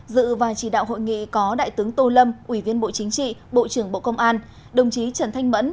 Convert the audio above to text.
dự và chỉ đạo hội nghị có đại tướng tô lâm ủy viên bộ chính trị bộ trưởng bộ công an đồng chí trần thanh mẫn